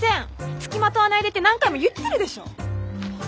付きまとわないでって何回も言ってるでしょう！